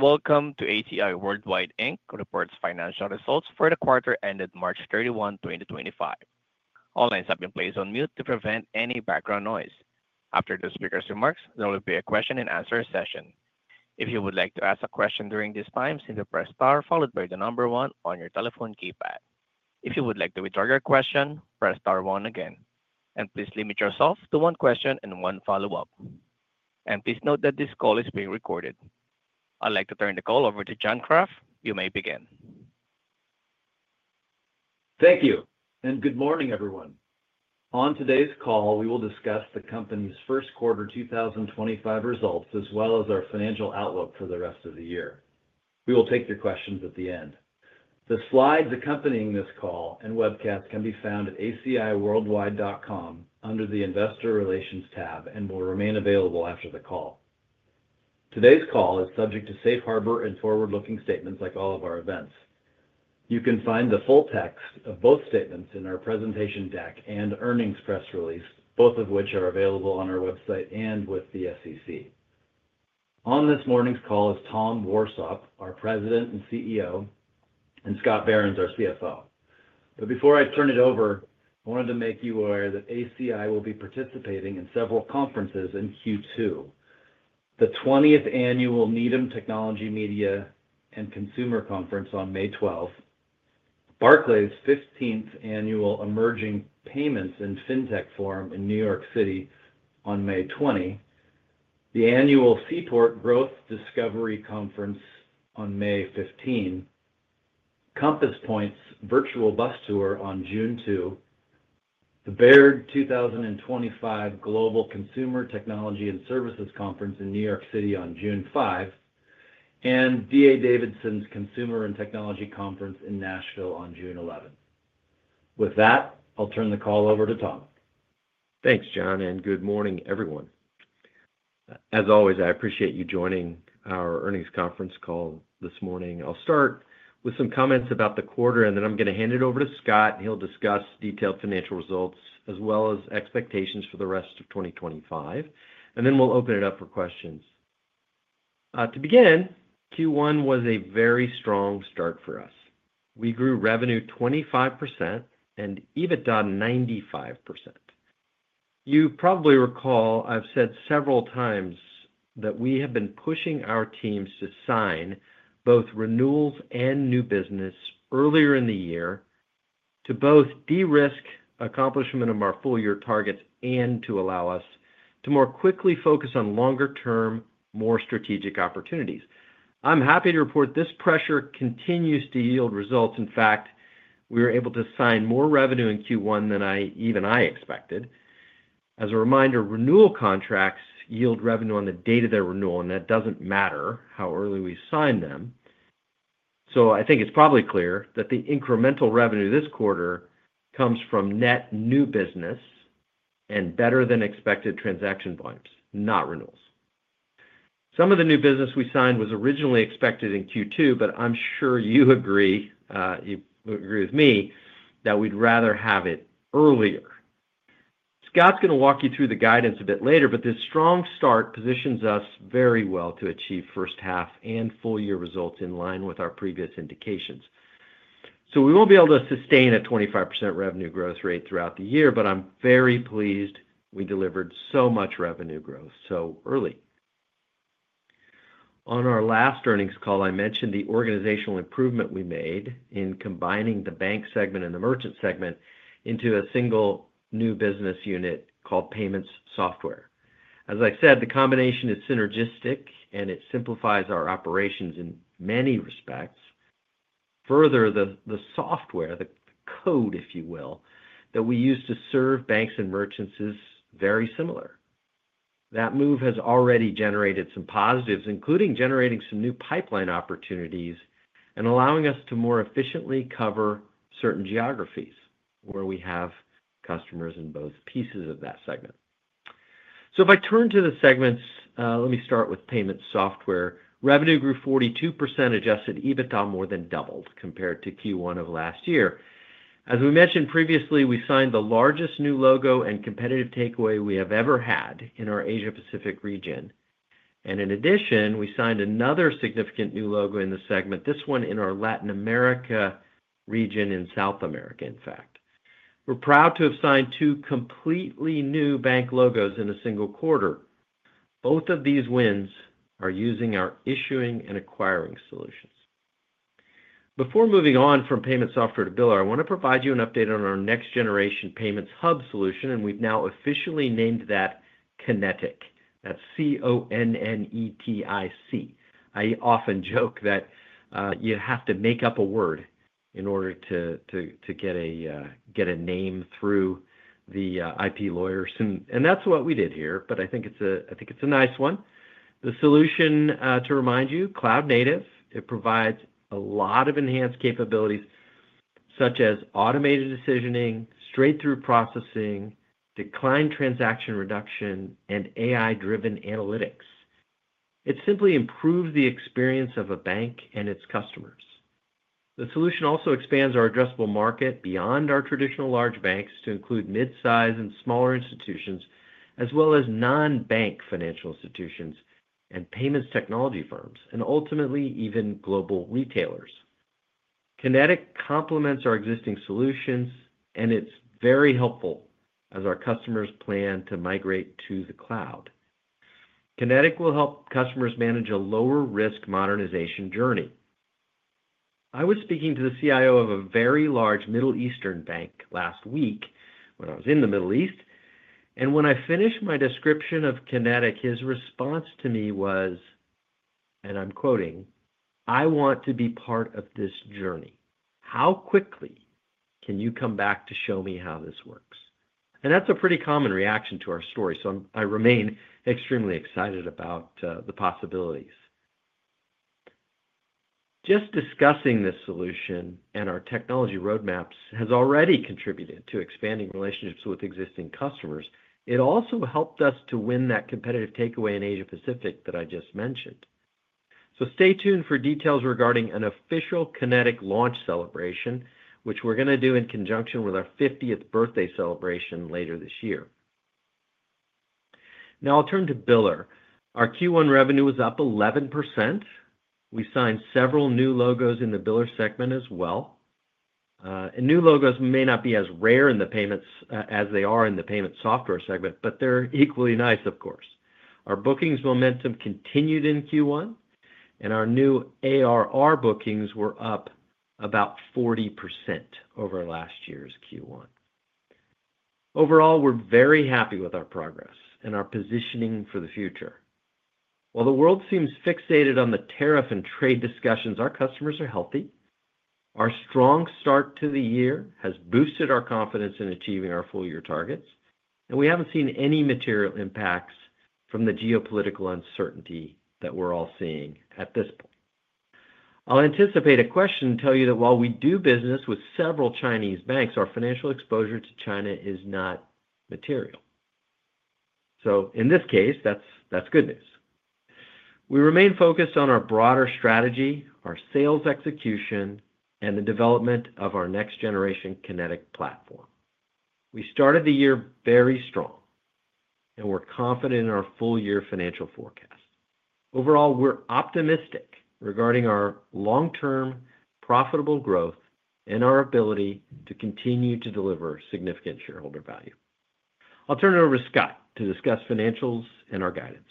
Welcome to ACI Worldwide Inc Reports Financial Results for the Quarter Ended March 31, 2025. All lines have been placed on mute to prevent any background noise. After the speaker's remarks, there will be a question and answer session. If you would like to ask a question during this time, simply press star followed by the number one on your telephone keypad. If you would like to withdraw your question, press star one again. Please limit yourself to one question and one follow-up. Please note that this call is being recorded. I'd like to turn the call over to John Kraft. You may begin. Thank you. Good morning, everyone. On today's call, we will discuss the company's first quarter 2025 results as well as our financial outlook for the rest of the year. We will take your questions at the end. The slides accompanying this call and webcast can be found at aciworldwide.com under the Investor Relations tab and will remain available after the call. Today's call is subject to safe harbor and forward-looking statements like all of our events. You can find the full text of both statements in our presentation deck and earnings press release, both of which are available on our website and with the SEC. On this morning's call is Tom Warsop, our President and CEO, and Scott Behrens, our CFO. Before I turn it over, I wanted to make you aware that ACI will be participating in several conferences in Q2: the 20th Annual Needham Technology, Media and Consumer Conference on May 12, Barclays' 15th Annual Emerging Payments and Fintech Forum in New York City on May 20, the Annual Seaport Growth Discovery Conference on May 15, Compass Point's Virtual Bus Tour on June 2, the Baird 2025 Global Consumer Technology and Services Conference in New York City on June 5, and D.A. Davidson's Consumer and Technology Conference in Nashville on June 11. With that, I'll turn the call over to Tom. Thanks, John, and good morning, everyone. As always, I appreciate you joining our earnings conference call this morning. I'll start with some comments about the quarter, and then I'm going to hand it over to Scott, and he'll discuss detailed financial results as well as expectations for the rest of 2025. Then we'll open it up for questions. To begin, Q1 was a very strong start for us. We grew revenue 25% and EBITDA 95%. You probably recall I've said several times that we have been pushing our teams to sign both renewals and new business earlier in the year to both de-risk accomplishment of our full-year targets and to allow us to more quickly focus on longer-term, more strategic opportunities. I'm happy to report this pressure continues to yield results. In fact, we were able to sign more revenue in Q1 than even I expected. As a reminder, renewal contracts yield revenue on the date of their renewal, and that does not matter how early we sign them. I think it is probably clear that the incremental revenue this quarter comes from net new business and better-than-expected transaction volumes, not renewals. Some of the new business we signed was originally expected in Q2, but I am sure you agree—you agree with me—that we would rather have it earlier. Scott is going to walk you through the guidance a bit later, but this strong start positions us very well to achieve first-half and full-year results in line with our previous indications. We will not be able to sustain a 25% revenue growth rate throughout the year, but I am very pleased we delivered so much revenue growth so early. On our last earnings call, I mentioned the organizational improvement we made in combining the bank segment and the merchant segment into a single new business unit called Payments Software. As I said, the combination is synergistic, and it simplifies our operations in many respects. Further, the software, the code, if you will, that we use to serve banks and merchants is very similar. That move has already generated some positives, including generating some new pipeline opportunities and allowing us to more efficiently cover certain geographies where we have customers in both pieces of that segment. If I turn to the segments, let me start with Payments Software. Revenue grew 42%, adjusted EBITDA more than doubled compared to Q1 of last year. As we mentioned previously, we signed the largest new logo and competitive takeaway we have ever had in our Asia-Pacific region. In addition, we signed another significant new logo in the segment, this one in our Latin America region in South America, in fact. We are proud to have signed two completely new bank logos in a single quarter. Both of these wins are using our issuing and acquiring solutions. Before moving on from Payments Software to Biller, I want to provide you an update on our next-generation Payments Hub solution, and we have now officially named that Connetic. That is C-O-N-N-E-T-I-C. I often joke that you have to make up a word in order to get a name through the IP lawyers. That is what we did here, but I think it is a nice one. The solution, to remind you, is cloud-native. It provides a lot of enhanced capabilities such as automated decisioning, straight-through processing, decline transaction reduction, and AI-driven analytics. It simply improves the experience of a bank and its customers. The solution also expands our addressable market beyond our traditional large banks to include mid-size and smaller institutions, as well as non-bank financial institutions and payments technology firms, and ultimately even global retailers. Connetic complements our existing solutions, and it's very helpful as our customers plan to migrate to the cloud. Connetic will help customers manage a lower-risk modernization journey. I was speaking to the CIO of a very large Middle Eastern bank last week when I was in the Middle East, and when I finished my description of Connetic, his response to me was, and I'm quoting, "I want to be part of this journey. How quickly can you come back to show me how this works?" That is a pretty common reaction to our story, so I remain extremely excited about the possibilities. Just discussing this solution and our technology roadmaps has already contributed to expanding relationships with existing customers. It also helped us to win that competitive takeaway in Asia-Pacific that I just mentioned. Stay tuned for details regarding an official Connetic launch celebration, which we're going to do in conjunction with our 50th birthday celebration later this year. Now I'll turn to Biller. Our Q1 revenue was up 11%. We signed several new logos in the Biller segment as well. New logos may not be as rare in the payments as they are in the payment software segment, but they're equally nice, of course. Our bookings momentum continued in Q1, and our new ARR bookings were up about 40% over last year's Q1. Overall, we're very happy with our progress and our positioning for the future. While the world seems fixated on the tariff and trade discussions, our customers are healthy. Our strong start to the year has boosted our confidence in achieving our full-year targets, and we haven't seen any material impacts from the geopolitical uncertainty that we're all seeing at this point. I'll anticipate a question and tell you that while we do business with several Chinese banks, our financial exposure to China is not material. In this case, that's good news. We remain focused on our broader strategy, our sales execution, and the development of our next-generation Connetic platform. We started the year very strong, and we're confident in our full-year financial forecast. Overall, we're optimistic regarding our long-term profitable growth and our ability to continue to deliver significant shareholder value. I'll turn it over to Scott to discuss financials and our guidance.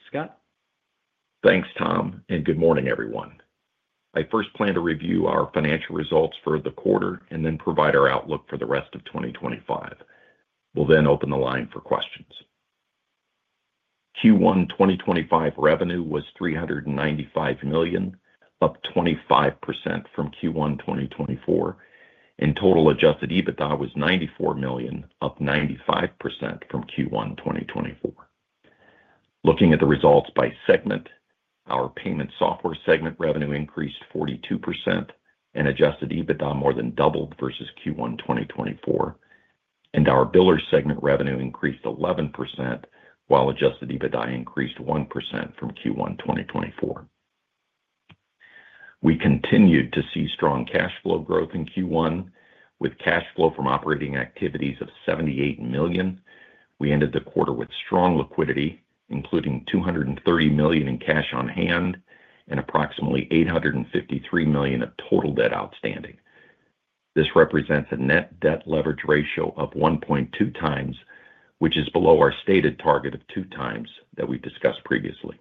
Scott? Thanks, Tom, and good morning, everyone. I first plan to review our financial results for the quarter and then provide our outlook for the rest of 2025. We'll then open the line for questions. Q1 2025 revenue was $395 million, up 25% from Q1 2024, and total adjusted EBITDA was $94 million, up 95% from Q1 2024. Looking at the results by segment, our payment software segment revenue increased 42%, and adjusted EBITDA more than doubled versus Q1 2024. Our biller segment revenue increased 11%, while adjusted EBITDA increased 1% from Q1 2024. We continued to see strong cash flow growth in Q1, with cash flow from operating activities of $78 million. We ended the quarter with strong liquidity, including $230 million in cash on hand and approximately $853 million of total debt outstanding. This represents a net debt leverage ratio of 1.2x, which is below our stated target of 2x that we've discussed previously.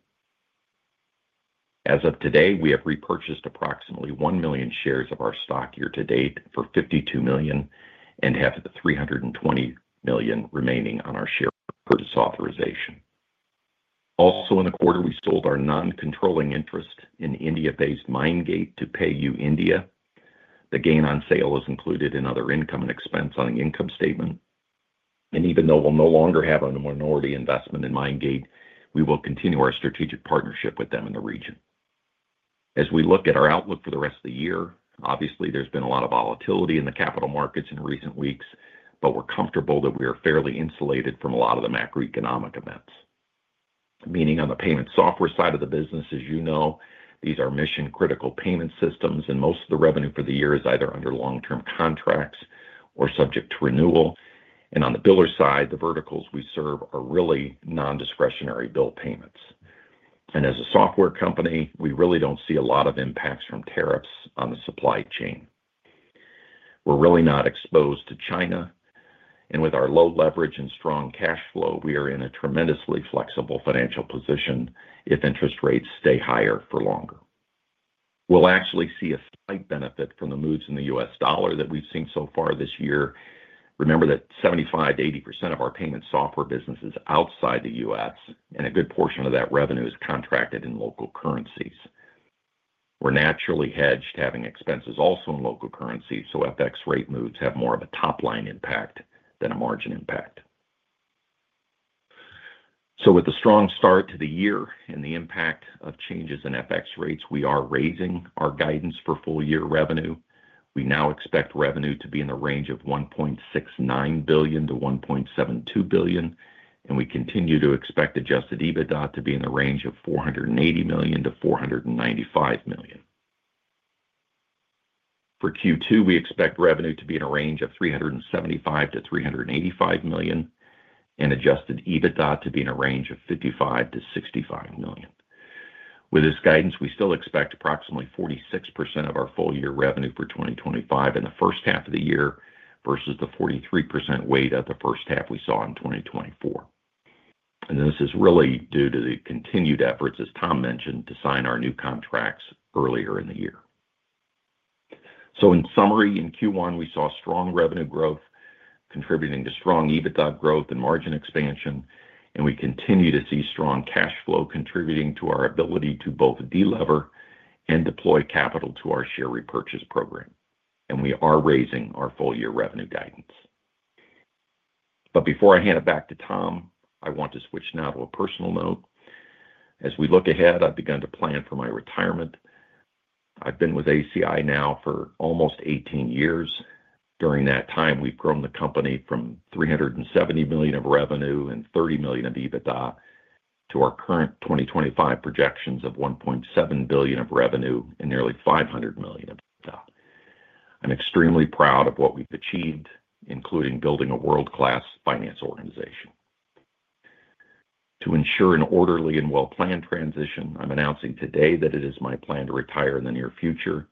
As of today, we have repurchased approximately 1 million shares of our stock year-to-date for $52 million, and have $320 million remaining on our share purchase authorization. Also, in the quarter, we sold our non-controlling interest in India-based Mindgate to PayU India. The gain on sale is included in other income and expense on the income statement. Even though we'll no longer have a minority investment in Mindgate, we will continue our strategic partnership with them in the region. As we look at our outlook for the rest of the year, obviously, there's been a lot of volatility in the capital markets in recent weeks, but we're comfortable that we are fairly insulated from a lot of the macroeconomic events. Meaning on the payment software side of the business, as you know, these are mission-critical payment systems, and most of the revenue for the year is either under long-term contracts or subject to renewal. On the biller side, the verticals we serve are really non-discretionary bill payments. As a software company, we really do not see a lot of impacts from tariffs on the supply chain. We are really not exposed to China, and with our low leverage and strong cash flow, we are in a tremendously flexible financial position if interest rates stay higher for longer. We will actually see a slight benefit from the moves in the US dollar that we have seen so far this year. Remember that 75%-80% of our payment software business is outside the US, and a good portion of that revenue is contracted in local currencies. We're naturally hedged having expenses also in local currencies, so FX rate moves have more of a top-line impact than a margin impact. With the strong start to the year and the impact of changes in FX rates, we are raising our guidance for full-year revenue. We now expect revenue to be in the range of $1.69 billion-$1.72 billion, and we continue to expect adjusted EBITDA to be in the range of $480 million-$495 million. For Q2, we expect revenue to be in a range of $375 million-$385 million and adjusted EBITDA to be in a range of $55 million-$65 million. With this guidance, we still expect approximately 46% of our full-year revenue for 2025 in the first half of the year versus the 43% weight of the first half we saw in 2024. This is really due to the continued efforts, as Tom mentioned, to sign our new contracts earlier in the year. In summary, in Q1, we saw strong revenue growth contributing to strong EBITDA growth and margin expansion, and we continue to see strong cash flow contributing to our ability to both delever and deploy capital to our share repurchase program. We are raising our full-year revenue guidance. Before I hand it back to Tom, I want to switch now to a personal note. As we look ahead, I've begun to plan for my retirement. I've been with ACI now for almost 18 years. During that time, we've grown the company from $370 million of revenue and $30 million of EBITDA to our current 2025 projections of $1.7 billion of revenue and nearly $500 million of EBITDA. I'm extremely proud of what we've achieved, including building a world-class finance organization. To ensure an orderly and well-planned transition, I'm announcing today that it is my plan to retire in the near future,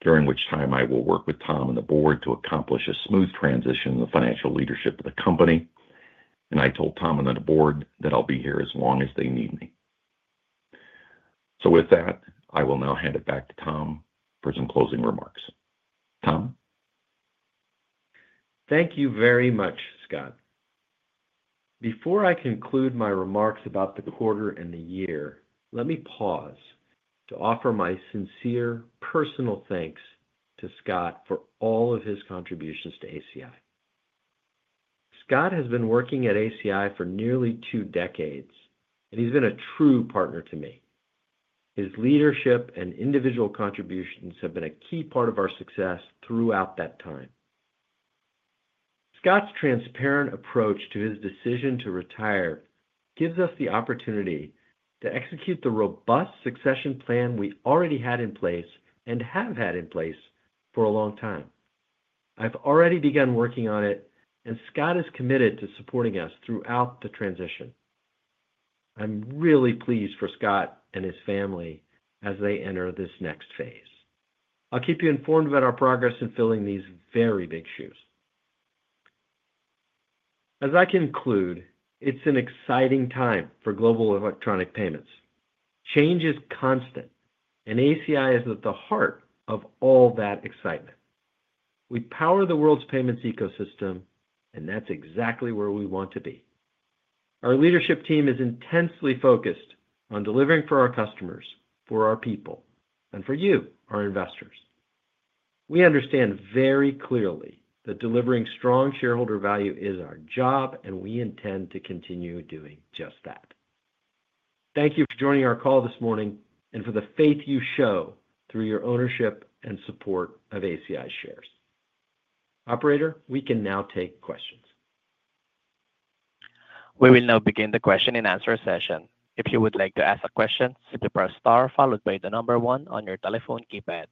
during which time I will work with Tom and the board to accomplish a smooth transition in the financial leadership of the company. I told Tom and the board that I'll be here as long as they need me. With that, I will now hand it back to Tom for some closing remarks. Tom? Thank you very much, Scott. Before I conclude my remarks about the quarter and the year, let me pause to offer my sincere personal thanks to Scott for all of his contributions to ACI. Scott has been working at ACI for nearly two decades, and he's been a true partner to me. His leadership and individual contributions have been a key part of our success throughout that time. Scott's transparent approach to his decision to retire gives us the opportunity to execute the robust succession plan we already had in place and have had in place for a long time. I've already begun working on it, and Scott is committed to supporting us throughout the transition. I'm really pleased for Scott and his family as they enter this next phase. I'll keep you informed about our progress in filling these very big shoes. As I conclude, it's an exciting time for global electronic payments. Change is constant, and ACI is at the heart of all that excitement. We power the world's payments ecosystem, and that's exactly where we want to be. Our leadership team is intensely focused on delivering for our customers, for our people, and for you, our investors. We understand very clearly that delivering strong shareholder value is our job, and we intend to continue doing just that. Thank you for joining our call this morning and for the faith you show through your ownership and support of ACI shares. Operator, we can now take questions. We will now begin the question and answer session. If you would like to ask a question, press star followed by the number one on your telephone keypad.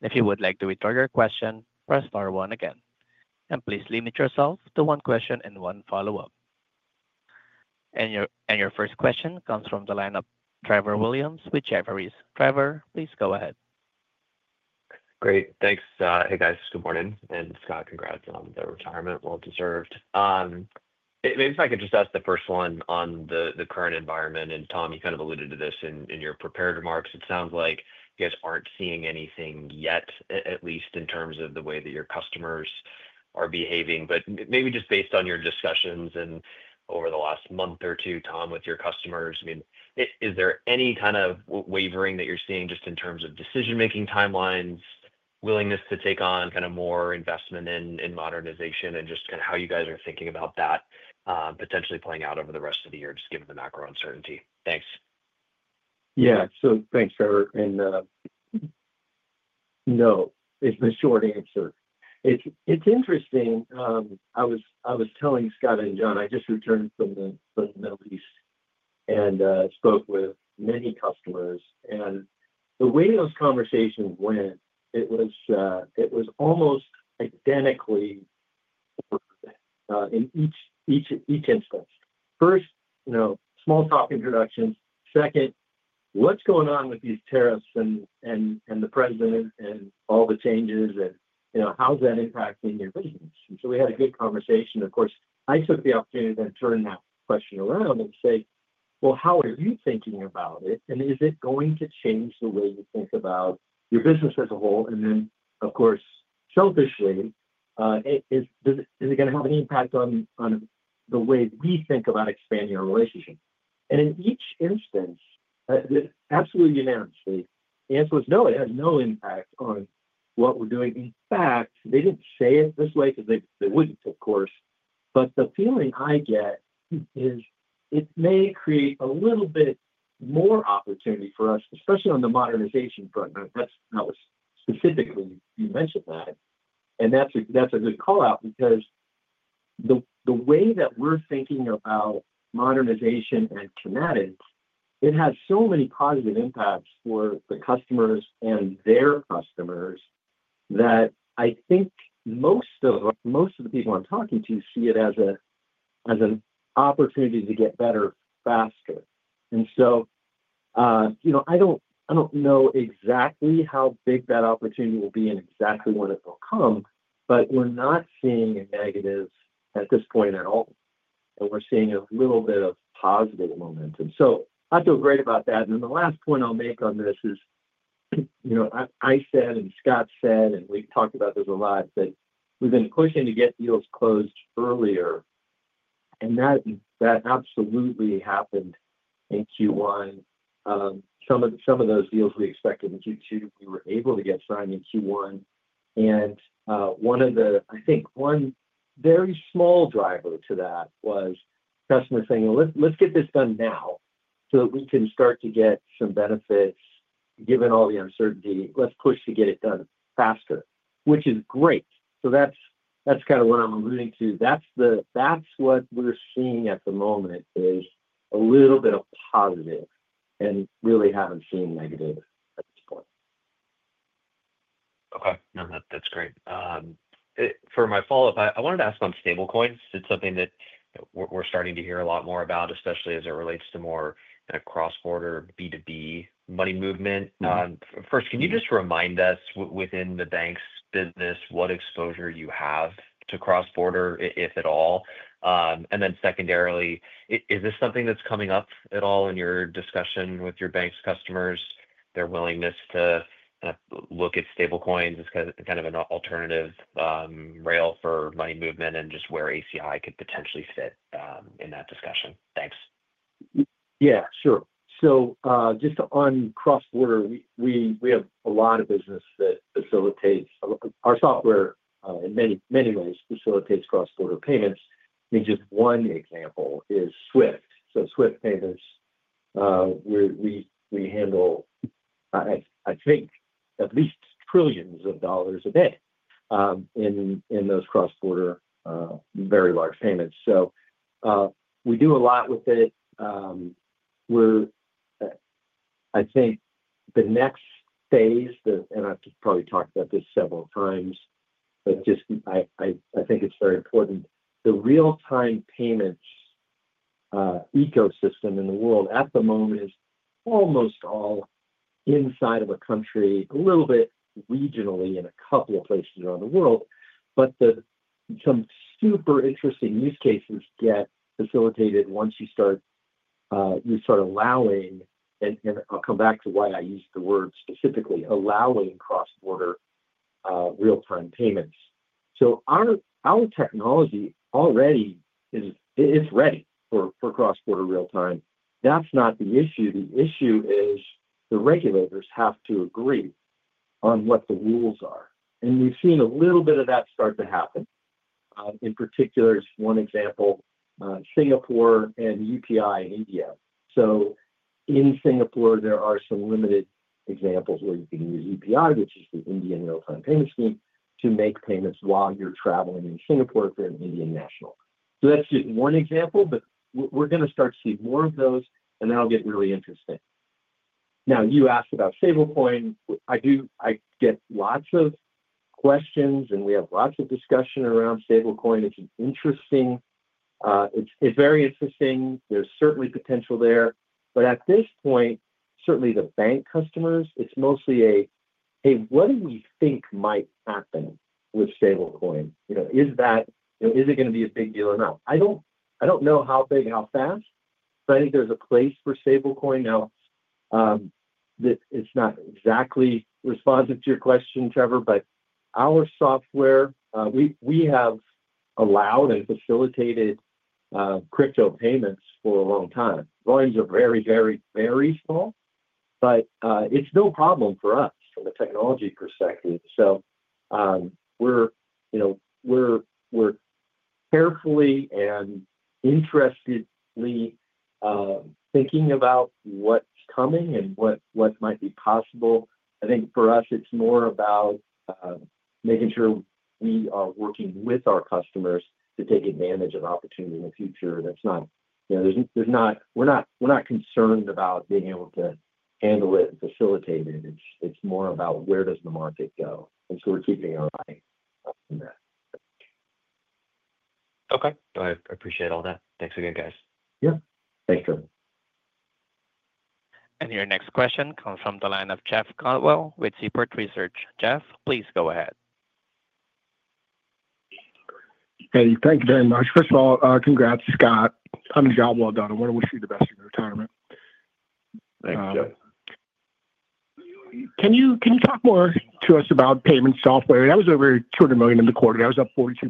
If you would like to withdraw your question, press star one again. Please limit yourself to one question and one follow-up. Your first question comes from the line of Trevor Williams with Jefferies. Trevor, please go ahead. Great. Thanks. Hey, guys. Good morning. And Scott, congrats on the retirement. Well-deserved. Maybe if I could just ask the first one on the current environment. Tom, you kind of alluded to this in your prepared remarks. It sounds like you guys aren't seeing anything yet, at least in terms of the way that your customers are behaving. Maybe just based on your discussions over the last month or two, Tom, with your customers, I mean, is there any kind of wavering that you're seeing just in terms of decision-making timelines, willingness to take on kind of more investment in modernization, and just kind of how you guys are thinking about that potentially playing out over the rest of the year just given the macro uncertainty? Thanks. Yeah. Thanks, Trevor. No, it's a short answer. It's interesting. I was telling Scott and John, I just returned from the Middle East and spoke with many customers. The way those conversations went, it was almost identical in each instance. First, small talk introductions. Second, what's going on with these tariffs and the president and all the changes, and how's that impacting your business? We had a good conversation. Of course, I took the opportunity to then turn that question around and say, "How are you thinking about it? Is it going to change the way you think about your business as a whole?" Of course, selfishly, is it going to have any impact on the way we think about expanding our relationship? In each instance, absolutely unanimously, the answer was, "No, it has no impact on what we're doing." In fact, they did not say it this way because they would not, of course. The feeling I get is it may create a little bit more opportunity for us, especially on the modernization front. That was specifically, you mentioned that, and that is a good call-out because the way that we are thinking about modernization and Connetic, it has so many positive impacts for the customers and their customers that I think most of the people I am talking to see it as an opportunity to get better faster. I do not know exactly how big that opportunity will be and exactly when it will come, but we are not seeing a negative at this point at all. We are seeing a little bit of positive momentum. I feel great about that. The last point I'll make on this is I said and Scott said, and we've talked about this a lot, that we've been pushing to get deals closed earlier. That absolutely happened in Q1. Some of those deals we expected in Q2, we were able to get signed in Q1. I think one very small driver to that was customers saying, "Let's get this done now so that we can start to get some benefits given all the uncertainty. Let's push to get it done faster," which is great. That is kind of what I'm alluding to. That is what we're seeing at the moment, a little bit of positive and really haven't seen negative at this point. Okay. No, that's great. For my follow-up, I wanted to ask on stablecoins. It's something that we're starting to hear a lot more about, especially as it relates to more cross-border B2B money movement. First, can you just remind us within the bank's business what exposure you have to cross-border, if at all? Then secondarily, is this something that's coming up at all in your discussion with your bank's customers, their willingness to look at stablecoins as kind of an alternative rail for money movement and just where ACI could potentially fit in that discussion? Thanks. Yeah, sure. Just on cross-border, we have a lot of business that facilitates—our software in many ways facilitates cross-border payments. I mean, just one example is Swift. Swift payments, we handle, I think, at least trillions of dollars a day in those cross-border very large payments. We do a lot with it. I think the next phase, and I've probably talked about this several times, but I think it's very important. The real-time payments ecosystem in the world at the moment is almost all inside of a country, a little bit regionally in a couple of places around the world. Some super interesting use cases get facilitated once you start allowing, and I'll come back to why I use the word specifically, allowing cross-border real-time payments. Our technology already is ready for cross-border real-time. That's not the issue. The issue is the regulators have to agree on what the rules are. We have seen a little bit of that start to happen. In particular, one example, Singapore and UPI in India. In Singapore, there are some limited examples where you can use UPI, which is the Indian real-time payment scheme, to make payments while you are traveling in Singapore if you are an Indian national. That is just one example, but we are going to start to see more of those, and that will get really interesting. You asked about stablecoin. I get lots of questions, and we have lots of discussion around stablecoin. It is very interesting. There is certainly potential there. At this point, certainly the bank customers, it is mostly a, "Hey, what do we think might happen with stablecoin? Is it going to be a big deal or not? I don't know how big and how fast, but I think there's a place for stablecoin. Now, it's not exactly responsive to your question, Trevor, but our software, we have allowed and facilitated crypto payments for a long time. Volumes are very, very, very small, but it's no problem for us from a technology perspective. We are carefully and interestedly thinking about what's coming and what might be possible. I think for us, it's more about making sure we are working with our customers to take advantage of opportunity in the future. We are not concerned about being able to handle it and facilitate it. It's more about where does the market go. We are keeping our eye on that. Okay. I appreciate all that. Thanks again, guys. Yep. Thanks, Trevor. Your next question comes from the line of Jeff Cantwell with Seaport Research. Jeff, please go ahead. Hey, thank you very much. First of all, congrats, Scott. On a job well done. I want to wish you the best in your retirement. Thanks, Jeff. Can you talk more to us about payment software? That was over $200 million in the quarter. That was up 42%.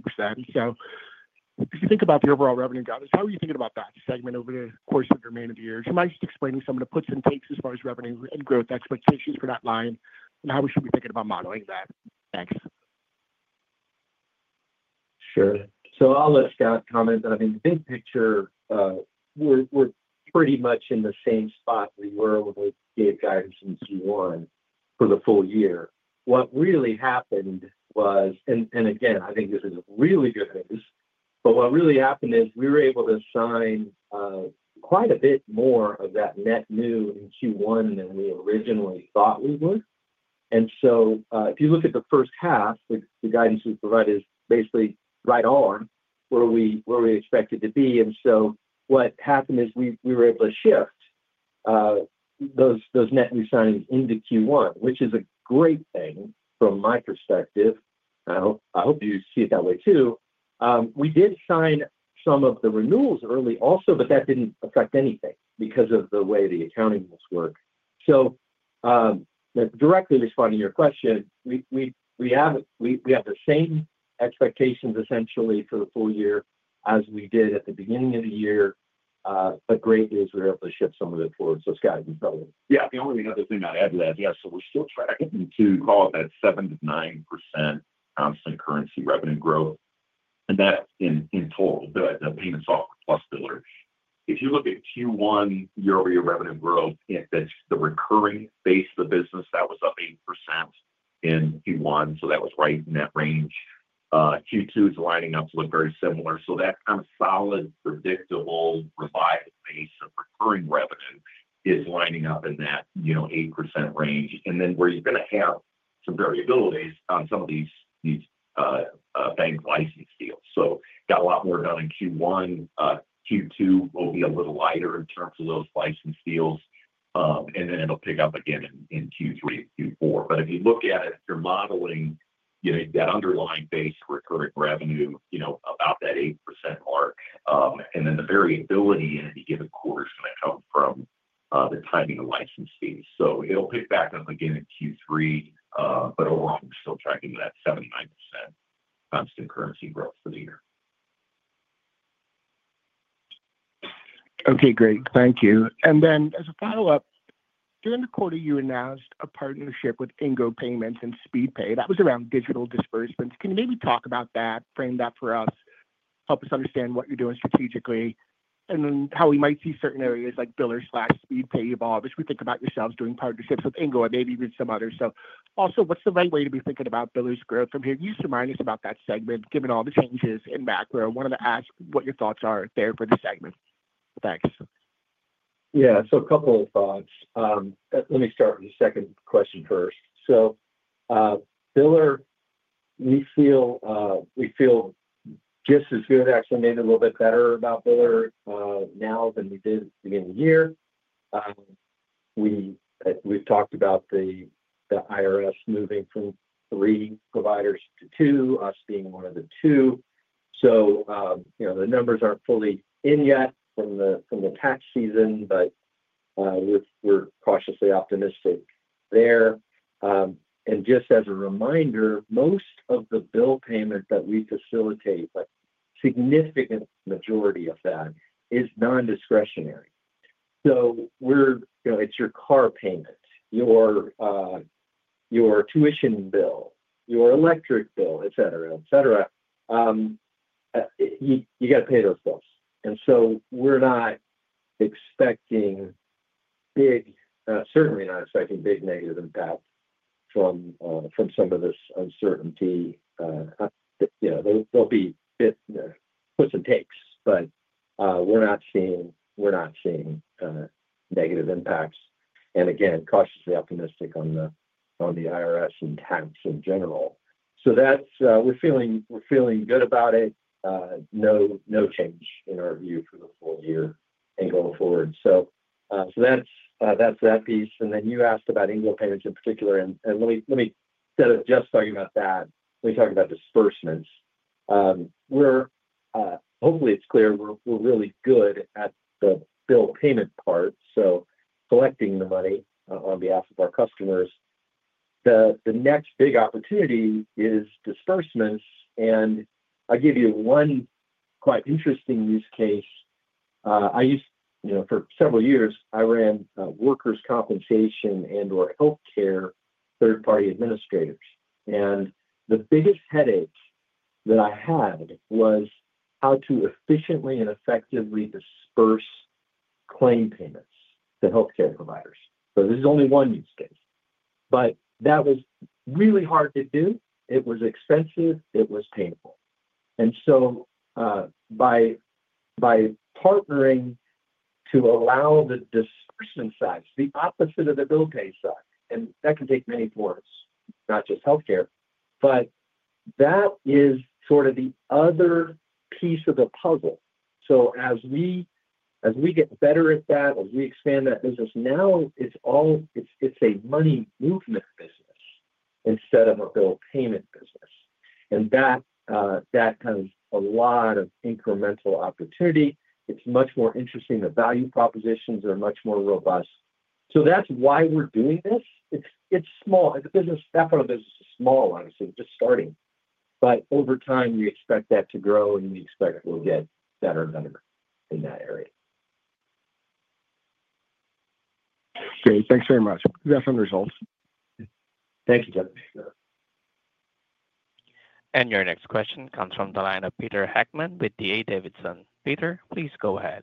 If you think about the overall revenue gap, how are you thinking about that segment over the course of the remainder of the year? Do you mind just explaining some of the puts and takes as far as revenue and growth expectations for that line and how we should be thinking about modeling that? Thanks. Sure. I'll let Scott comment. I mean, the big picture, we're pretty much in the same spot we were when we gave guidance in Q1 for the full year. What really happened was, I think this is really good news, what really happened is we were able to sign quite a bit more of that net new in Q1 than we originally thought we would. If you look at the first half, the guidance we provided is basically right on where we expected to be. What happened is we were able to shift those net new signings into Q1, which is a great thing from my perspective. I hope you see it that way too. We did sign some of the renewals early also, but that didn't affect anything because of the way the accounting must work. Directly responding to your question, we have the same expectations essentially for the full year as we did at the beginning of the year. Great news, we were able to shift some of it forward. Scott, you probably. Yeah. The only other thing I'd add to that, yes, so we're still tracking to calls at 7-9% constant currency revenue growth. And that's in total, the payment software plus billers. If you look at Q1 year-over-year revenue growth, it's the recurring base of the business that was up 8% in Q1. So that was right in that range. Q2 is lining up to look very similar. That kind of solid, predictable, reliable base of recurring revenue is lining up in that 8% range. Where you're going to have some variability is on some of these bank license deals. Got a lot more done in Q1. Q2 will be a little lighter in terms of those license deals. It'll pick up again in Q3 and Q4. If you look at it, if you're modeling that underlying base recurring revenue about that 8% mark, and then the variability in any given quarter is going to come from the timing of license fees. It will pick back up again in Q3, but overall, we're still tracking that 7-9% constant currency growth for the year. Okay, great. Thank you. And then as a follow-up, during the quarter, you announced a partnership with Ingo Payments and Speedpay. That was around digital disbursements. Can you maybe talk about that, frame that for us, help us understand what you're doing strategically, and then how we might see certain areas like billers/Speedpay evolve as we think about yourselves doing partnerships with Ingo and maybe even some others? Also, what's the right way to be thinking about billers' growth from here? Can you just remind us about that segment? Given all the changes in macro, wanted to ask what your thoughts are there for the segment. Thanks. Yeah. A couple of thoughts. Let me start with the second question first. Biller, we feel just as good, actually maybe a little bit better about biller now than we did at the beginning of the year. We've talked about the IRS moving from three providers to two, us being one of the two. The numbers aren't fully in yet from the tax season, but we're cautiously optimistic there. Just as a reminder, most of the bill payment that we facilitate, a significant majority of that is non-discretionary. It's your car payment, your tuition bill, your electric bill, etc., etc. You got to pay those bills. We're not expecting big, certainly not expecting big negative impact from some of this uncertainty. There will be puts and takes, but we're not seeing negative impacts. Again, cautiously optimistic on the IRS and tax in general. We're feeling good about it. No change in our view for the full year and going forward. That's that piece. You asked about Ingo Payments in particular. Let me, instead of just talking about that, talk about disbursements. Hopefully, it's clear we're really good at the bill payment part, collecting the money on behalf of our customers. The next big opportunity is disbursements. I'll give you one quite interesting use case. For several years, I ran workers' compensation and/or healthcare third-party administrators. The biggest headache that I had was how to efficiently and effectively disperse claim payments to healthcare providers. This is only one use case. That was really hard to do. It was expensive. It was painful. By partnering to allow the disbursement side, the opposite of the bill pay side, and that can take many forms, not just healthcare, that is sort of the other piece of the puzzle. As we get better at that, as we expand that business, now it's a money movement business instead of a bill payment business. That has a lot of incremental opportunity. It's much more interesting. The value propositions are much more robust. That is why we're doing this. It's small. That part of the business is small, obviously. We're just starting. Over time, we expect that to grow, and we expect we'll get better and better in that area. Great. Thanks very much. You have some results. Thank you, Jeff. Your next question comes from the line of Peter Hackman with D.A. Davidson. Peter, please go ahead.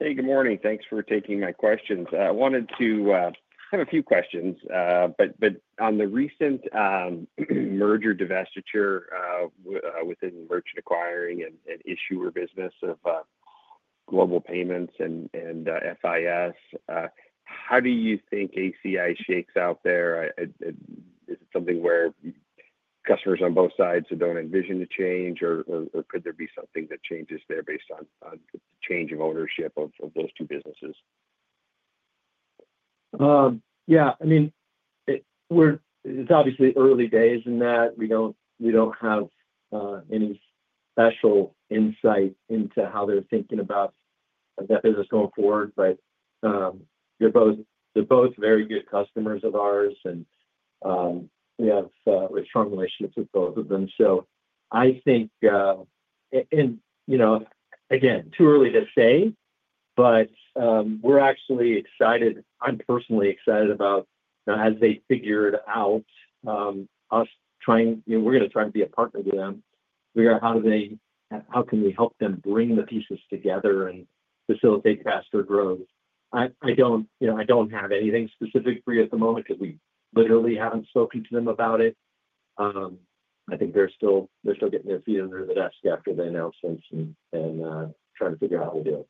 Hey, good morning. Thanks for taking my questions. I wanted to have a few questions, but on the recent merger divestiture within merchant acquiring and issuer business of Global Payments and FIS, how do you think ACI shakes out there? Is it something where customers on both sides do not envision a change, or could there be something that changes there based on the change of ownership of those two businesses? Yeah. I mean, it's obviously early days in that. We don't have any special insight into how they're thinking about that business going forward, but they're both very good customers of ours, and we have strong relationships with both of them. I think, and again, too early to say, but we're actually excited. I'm personally excited about how they figured out us trying—we're going to try to be a partner to them. Figure out how can we help them bring the pieces together and facilitate faster growth. I don't have anything specific for you at the moment because we literally haven't spoken to them about it. I think they're still getting their feet under the desk after the announcements and trying to figure out how to do it.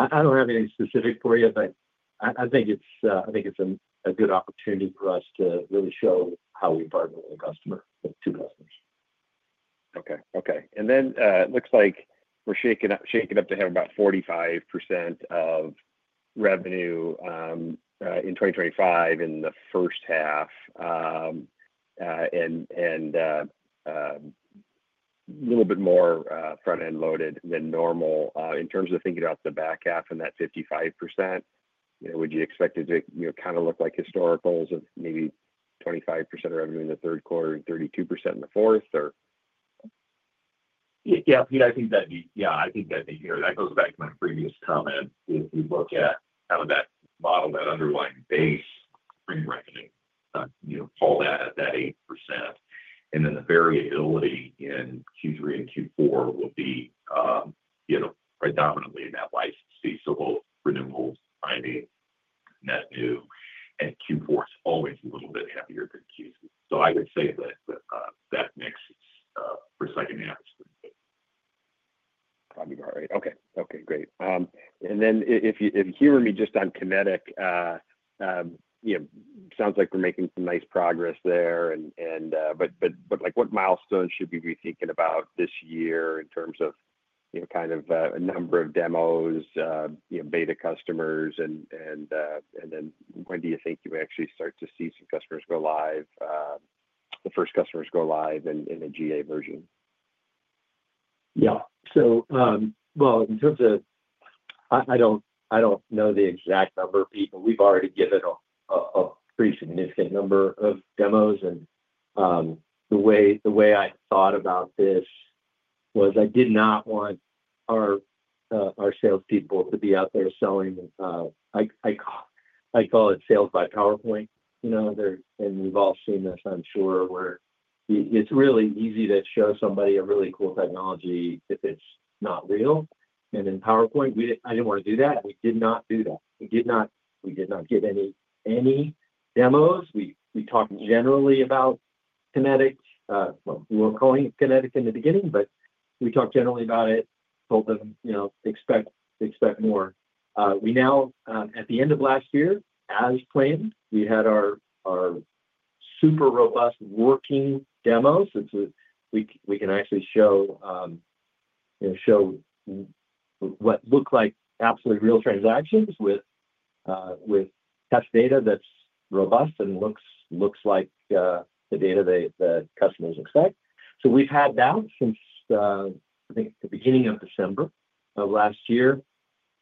I don't have anything specific for you, but I think it's a good opportunity for us to really show how we partner with a customer, with two customers. Okay. Okay. It looks like we're shaking up to have about 45% of revenue in 2025 in the first half and a little bit more front-end loaded than normal. In terms of thinking about the back half and that 55%, would you expect it to kind of look like historicals of maybe 25% revenue in the third quarter and 32% in the fourth, or? Yeah. I think that'd be—yeah, I think that'd be—that goes back to my previous comment. If you look at how that modeled that underlying base in revenue, call that at that 8%. The variability in Q3 and Q4 will be predominantly in that license fee. Both renewals, signing, net new, and Q4 is always a little bit heavier than Q3. I would say that that mix for the second half is pretty good. Probably about right. Okay. Okay. Great. If you hear me just on Connetic, sounds like we're making some nice progress there. What milestones should we be thinking about this year in terms of kind of a number of demos, beta customers, and then when do you think you actually start to see some customers go live, the first customers go live in the GA version? Yeah. In terms of—I do not know the exact number of people. We've already given a pretty significant number of demos. The way I thought about this was I did not want our salespeople to be out there selling—I call it sales by PowerPoint. We've all seen this, I'm sure, where it's really easy to show somebody a really cool technology if it's not real. In PowerPoint, I did not want to do that. We did not do that. We did not give any demos. We talked generally about Connetic. We were calling it Connetic in the beginning, but we talked generally about it, told them expect more. We now, at the end of last year, as planned, we had our super robust working demos. We can actually show what looked like absolutely real transactions with test data that is robust and looks like the data that customers expect. We have had that since I think the beginning of December of last year.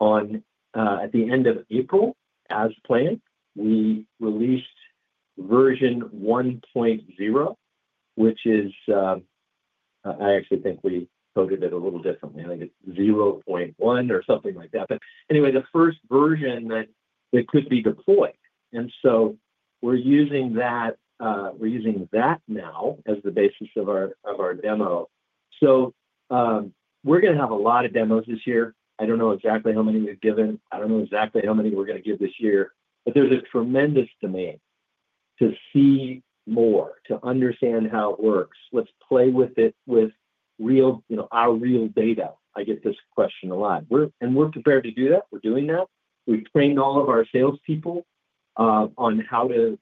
At the end of April, as planned, we released version 1.0, which is—I actually think we coded it a little differently. I think it is 0.1 or something like that. Anyway, the first version that could be deployed. We are using that now as the basis of our demo. We are going to have a lot of demos this year. I do not know exactly how many we have given. I do not know exactly how many we are going to give this year, but there is a tremendous demand to see more, to understand how it works. Let us play with it with our real data. I get this question a lot. We're prepared to do that. We're doing that. We've trained all of our salespeople on how to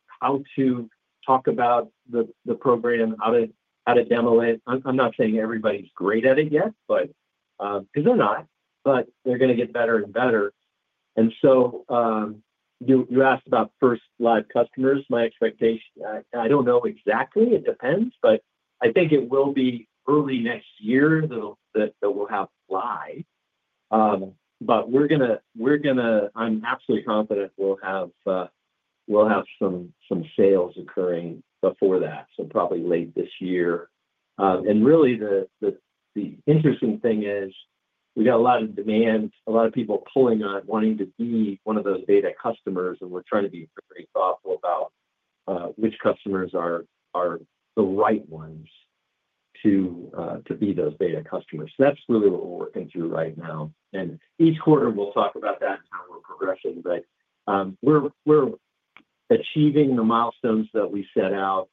talk about the program, how to demo it. I'm not saying everybody's great at it yet, because they're not, but they're going to get better and better. You asked about first live customers. My expectation—I don't know exactly. It depends, but I think it will be early next year that we'll have live. I'm absolutely confident we'll have some sales occurring before that, so probably late this year. The interesting thing is we've got a lot of demand, a lot of people pulling on it, wanting to be one of those beta customers. We're trying to be very thoughtful about which customers are the right ones to be those beta customers. That's really what we're working through right now. Each quarter, we'll talk about that and how we're progressing, but we're achieving the milestones that we set out.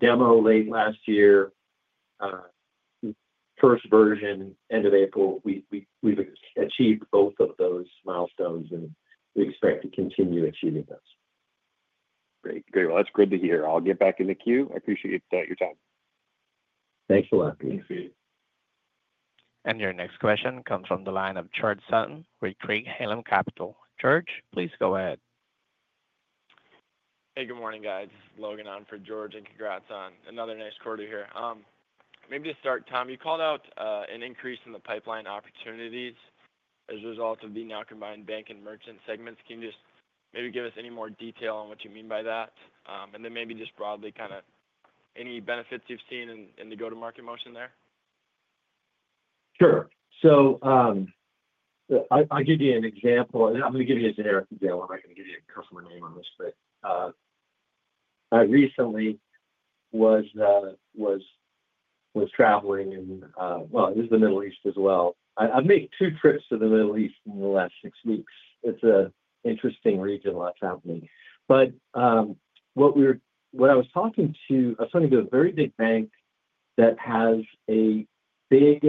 Demo late last year, first version, end of April, we've achieved both of those milestones, and we expect to continue achieving those. Great. Great. That's good to hear. I'll get back in the queue. I appreciate your time. Thanks a lot. Thanks, Pete. Your next question comes from the line of George Sutton with Craig-Hallum Capital. George, please go ahead. Hey, good morning, guys. Logan on for George, and congrats on another nice quarter here. Maybe to start, Tom, you called out an increase in the pipeline opportunities as a result of the now combined bank and merchant segments. Can you just maybe give us any more detail on what you mean by that? And then maybe just broadly, kind of any benefits you've seen in the go-to-market motion there? Sure. I'll give you an example. I'm going to give you a generic example. I'm not going to give you a customer name on this, but I recently was traveling in the Middle East as well. I've made two trips to the Middle East in the last six weeks. It's an interesting region, a lot of traveling. What I was talking to—I was talking to a very big bank that has a big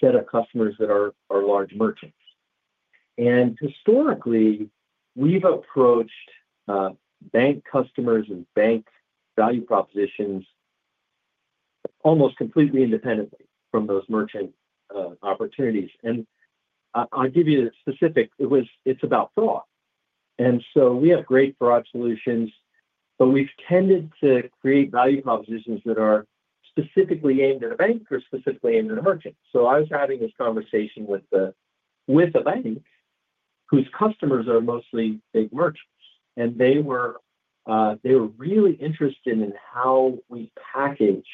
set of customers that are large merchants. Historically, we've approached bank customers and bank value propositions almost completely independently from those merchant opportunities. I'll give you a specific—it's about thought. We have great fraud solutions, but we've tended to create value propositions that are specifically aimed at a bank or specifically aimed at a merchant. I was having this conversation with a bank whose customers are mostly big merchants, and they were really interested in how we package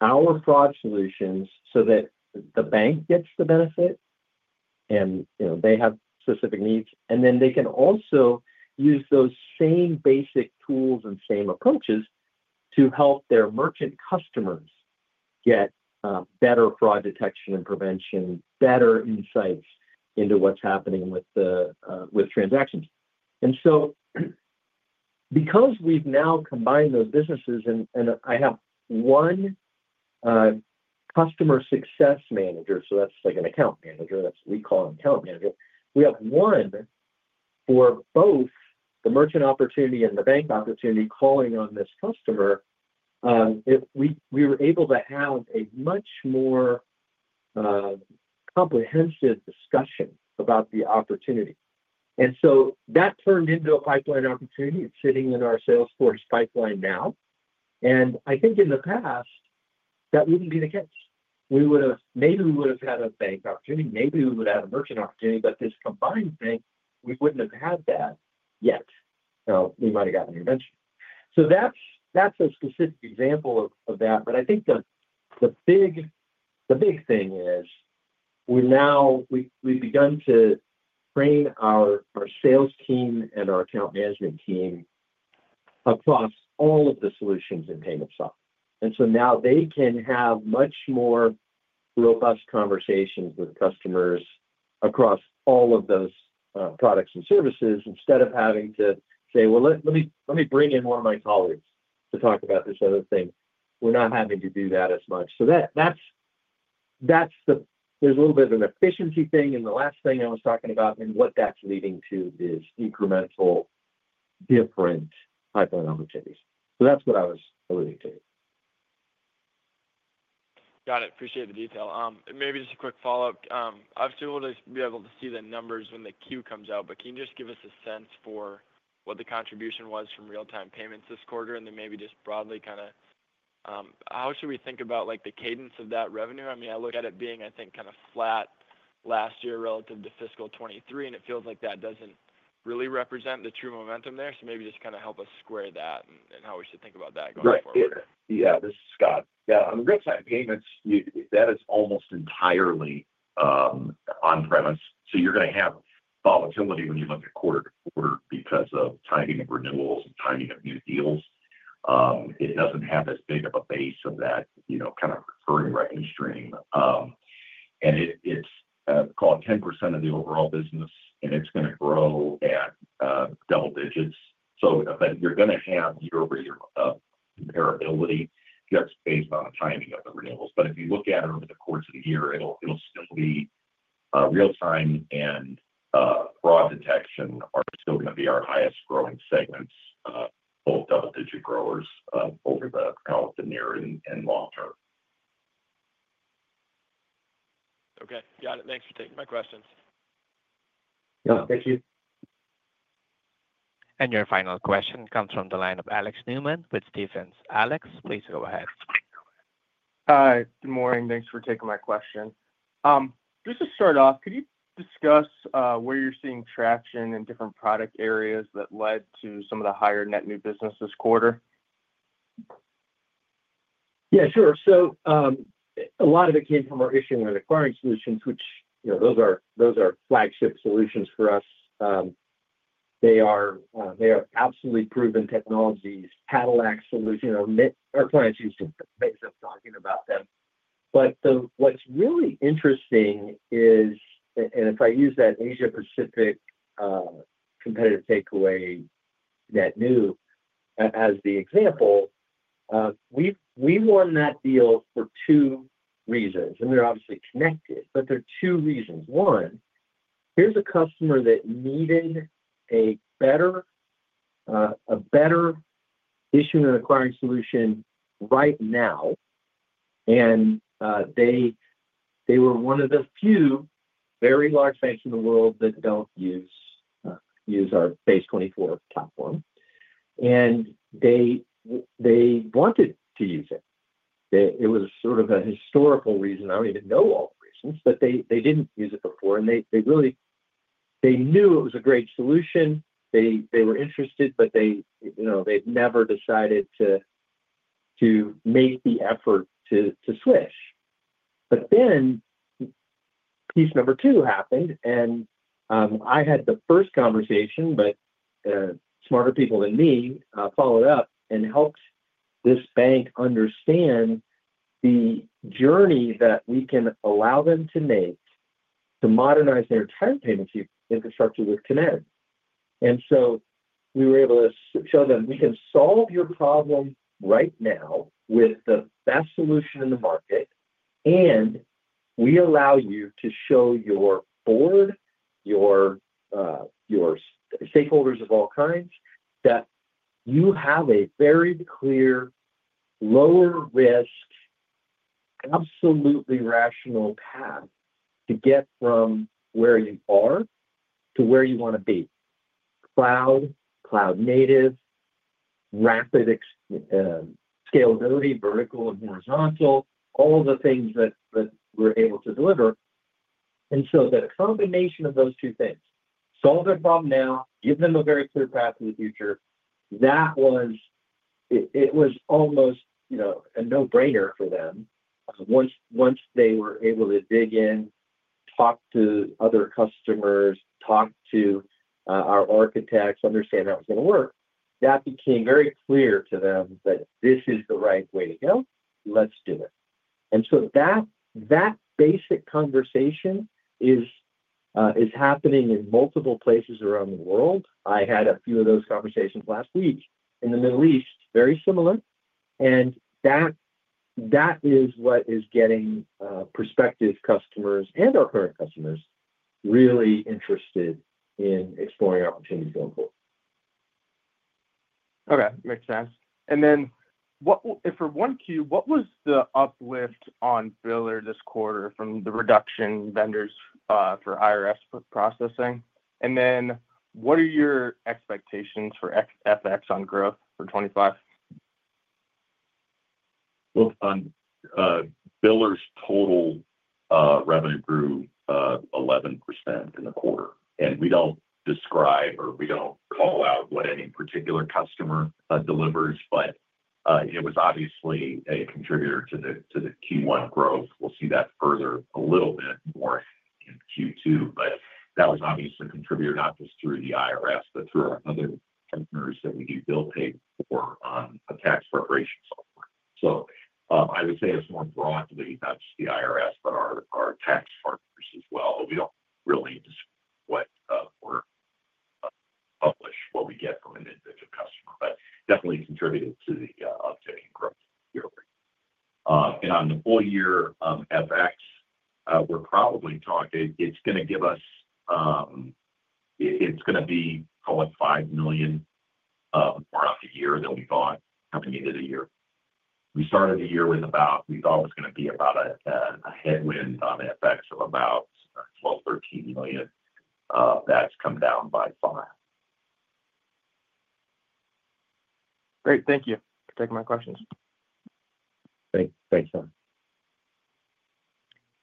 our fraud solutions so that the bank gets the benefit, and they have specific needs. They can also use those same basic tools and same approaches to help their merchant customers get better fraud detection and prevention, better insights into what's happening with transactions. Because we've now combined those businesses, and I have one customer success manager—so that's like an account manager. We call it an account manager. We have one for both the merchant opportunity and the bank opportunity calling on this customer. We were able to have a much more comprehensive discussion about the opportunity. That turned into a pipeline opportunity. It's sitting in our Salesforce pipeline now. I think in the past, that would not be the case. Maybe we would have had a bank opportunity. Maybe we would have had a merchant opportunity. This combined thing, we would not have had that yet. We might have gotten an intervention. That is a specific example of that. I think the big thing is we have begun to train our sales team and our account management team across all of the solutions in Payments Software. Now they can have much more robust conversations with customers across all of those products and services instead of having to say, "Let me bring in one of my colleagues to talk about this other thing." We are not having to do that as much. There is a little bit of an efficiency thing. The last thing I was talking about and what that is leading to is incremental, different pipeline opportunities. That is what I was alluding to. Got it. Appreciate the detail. Maybe just a quick follow-up. Obviously, we'll be able to see the numbers when the queue comes out, but can you just give us a sense for what the contribution was from real-time payments this quarter? And then maybe just broadly, kind of how should we think about the cadence of that revenue? I mean, I look at it being, I think, kind of flat last year relative to fiscal 2023, and it feels like that doesn't really represent the true momentum there. So maybe just kind of help us square that and how we should think about that going forward. Right. Yeah. This is Scott. Yeah. On the real-time payments, that is almost entirely on-premise. So you're going to have volatility when you look at quarter to quarter because of timing of renewals and timing of new deals. It doesn't have as big of a base of that kind of recurring revenue stream. And it's called 10% of the overall business, and it's going to grow at double digits. You're going to have year-over-year comparability just based on the timing of the renewals. If you look at it over the course of the year, it'll still be real-time and fraud detection are still going to be our highest-growing segments, both double-digit growers over the near and long term. Okay. Got it. Thanks for taking my questions. Yeah. Thank you. Your final question comes from the line of Alex Newman with Stephens. Alex, please go ahead. Hi. Good morning. Thanks for taking my question. Just to start off, could you discuss where you're seeing traction in different product areas that led to some of the higher net new business this quarter? Yeah. Sure. So a lot of it came from our issuing and acquiring solutions, which those are flagship solutions for us. They are absolutely proven technologies. Cadillac Solution or MIT, our clients used to make them talking about them. What's really interesting is, and if I use that Asia-Pacific competitive takeaway, net new as the example, we won that deal for two reasons. They are obviously connected, but there are two reasons. One, here's a customer that needed a better issuing and acquiring solution right now. They were one of the few very large banks in the world that do not use our BASE24 platform. They wanted to use it. It was sort of a historical reason. I do not even know all the reasons, but they did not use it before. They knew it was a great solution. They were interested, but they'd never decided to make the effort to switch. Then piece number two happened, and I had the first conversation, but smarter people than me followed up and helped this bank understand the journey that we can allow them to make to modernize their entire payment infrastructure with Connetic. We were able to show them we can solve your problem right now with the best solution in the market, and we allow you to show your board, your stakeholders of all kinds, that you have a very clear, lower-risk, absolutely rational path to get from where you are to where you want to be: cloud, cloud-native, rapid scalability, vertical and horizontal, all the things that we're able to deliver. The combination of those two things—solve their problem now, give them a very clear path to the future—it was almost a no-brainer for them. Once they were able to dig in, talk to other customers, talk to our architects, understand that was going to work, that became very clear to them that this is the right way to go. Let's do it. That basic conversation is happening in multiple places around the world. I had a few of those conversations last week in the Middle East, very similar. That is what is getting prospective customers and our current customers really interested in exploring opportunities going forward. Okay. Makes sense. For Q1, what was the uplift on biller this quarter from the reduction vendors for IRS processing? What are your expectations for FX on growth for 2025? Biller's total revenue grew 11% in the quarter. We do not describe or call out what any particular customer delivers, but it was obviously a contributor to the Q1 growth. We will see that further a little bit more in Q2, but that was obviously a contributor not just through the IRS, but through our other partners that we do bill pay for on a tax preparation software. I would say it is more broadly, not just the IRS, but our tax partners as well. We do not really need to say what we are publishing, what we get from an individual customer, but it definitely contributed to the uptick in growth year-over-year. On the full-year FX, we are probably talking it is going to give us—it is going to be probably $5 million more out the year than we bought coming into the year. We started the year with about—we thought it was going to be about a headwind on FX of about $12 million-$13 million. That's come down by $5 million. Great. Thank you for taking my questions. Thanks. Thanks,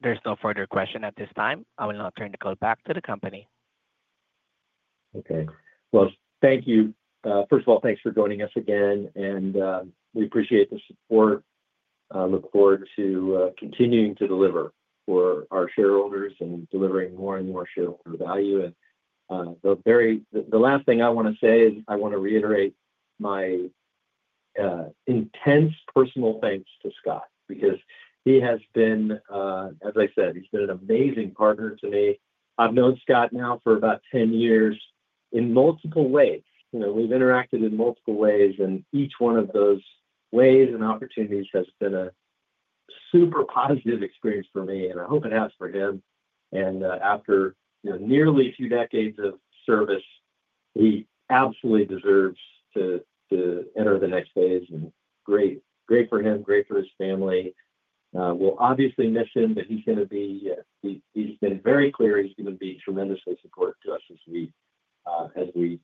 Tom. There's no further question at this time. I will now turn the call back to the company. Okay. Thank you. First of all, thanks for joining us again, and we appreciate the support. I look forward to continuing to deliver for our shareholders and delivering more and more shareholder value. The last thing I want to say is I want to reiterate my intense personal thanks to Scott because he has been, as I said, he's been an amazing partner to me. I've known Scott now for about 10 years in multiple ways. We've interacted in multiple ways, and each one of those ways and opportunities has been a super positive experience for me, and I hope it has for him. After nearly two decades of service, he absolutely deserves to enter the next phase. Great for him, great for his family. We'll obviously miss him, but he's going to be, he's been very clear. He's going to be tremendously supportive to us as we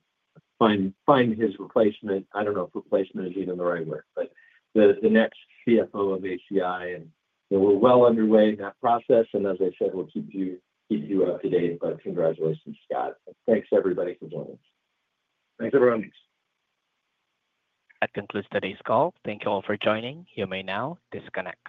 find his replacement. I don't know if replacement is even the right word, but the next CFO of ACI. We're well underway in that process. As I said, we'll keep you up to date. Congratulations, Scott. Thanks, everybody, for joining us. Thanks, everyone. That concludes today's call. Thank you all for joining. You may now disconnect.